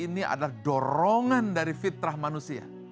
ini adalah dorongan dari fitrah manusia